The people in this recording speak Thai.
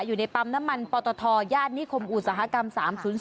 อยู่ในปั๊มน้ำมันปตทย่านนิคมอุตสาหกรรม๓๐๔